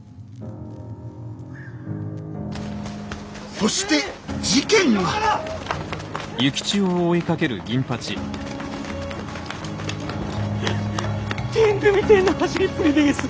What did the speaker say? そして事件が天狗みてえな走りっぷりでげす！